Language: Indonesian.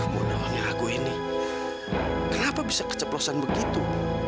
mudah mudahan aku ini kenapa bisa keceplosan begitu